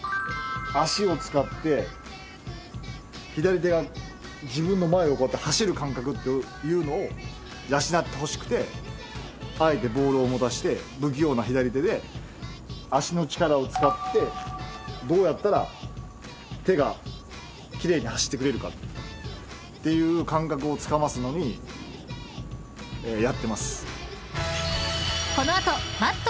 脚を使って左手が自分の前を走る感覚というのを養ってほしくてあえてボールを持たせて不器用な左手で脚の力を使ってどうやったら手が奇麗に走ってくれるかっていう感覚をつかますのにやってます。